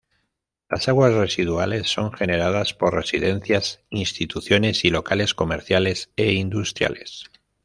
Las aguas residuales son generadas por residencias, instituciones y locales comerciales e industriales.